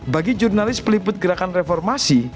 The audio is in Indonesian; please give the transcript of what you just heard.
bagi jurnalis peliput gerakan reformasi